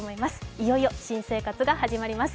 いよいよ新生活が始まります。